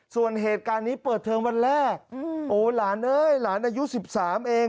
ส่วนเหตุการณ์นี้เปิดเทอมวันแรกโอ้หลานเอ้ยหลานอายุ๑๓เอง